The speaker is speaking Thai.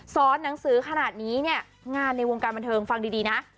หนังสือขนาดนี้เนี่ยงานในวงการบันเทิงฟังดีนะ